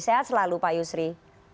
sehat selalu pak yusri